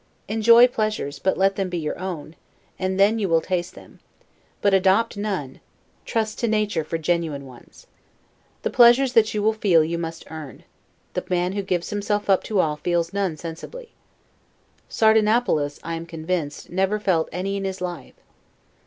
Enjoy pleasures, but let them be your own, and then you will taste them; but adopt none; trust to nature for genuine ones. The pleasures that you would feel you must earn; the man who gives himself up to all, feels none sensibly. Sardanapalus, I am convinced, never felt any in his life.